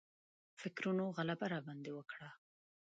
فکرونو غلبه راباندې وکړه.